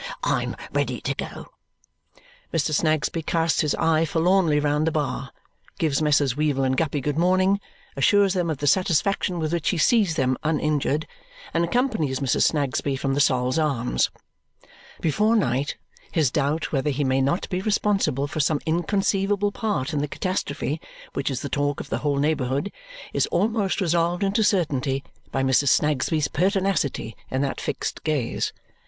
I am ready to go." Mr. Snagsby casts his eye forlornly round the bar, gives Messrs. Weevle and Guppy good morning, assures them of the satisfaction with which he sees them uninjured, and accompanies Mrs. Snagsby from the Sol's Arms. Before night his doubt whether he may not be responsible for some inconceivable part in the catastrophe which is the talk of the whole neighbourhood is almost resolved into certainty by Mrs. Snagsby's pertinacity in that fixed gaze.